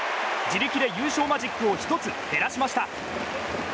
自力で優勝マジックを１つ減らしました。